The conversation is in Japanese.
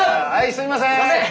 すいません！